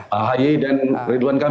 pak haye dan ridwan kamil